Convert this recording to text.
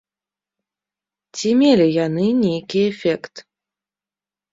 Ці мелі яны нейкі эфект?